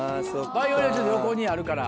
バイオリンやと横にあるから。